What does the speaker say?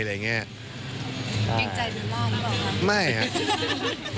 เกรงใจรึงลองหรอ